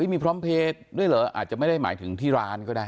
มีพร้อมเพลย์ด้วยเหรออาจจะไม่ได้หมายถึงที่ร้านก็ได้